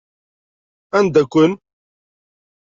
Anda-ken?